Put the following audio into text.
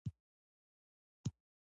هغه وویل چې